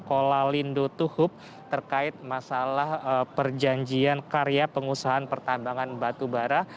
sekolah lindo tuhub terkait masalah perjanjian karya pengusahaan pertambangan batu bara